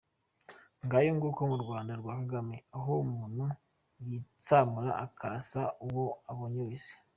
Ngayo nguko mu Rwanda rwa Kagame aho umuntu yitsamura akarasa uwo abonye wese!